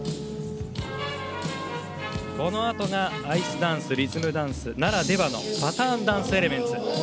アイスダンスリズムダンスならではのパターンダンスエレメンツ。